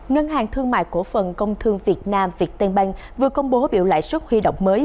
ngân hàng thương mại cổ phần công thương việt nam việt tên băng vừa công bố biểu lại suất huy động mới